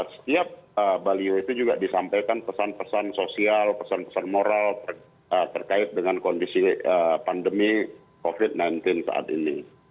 setiap baliho itu juga disampaikan pesan pesan sosial pesan pesan moral terkait dengan kondisi pandemi covid sembilan belas saat ini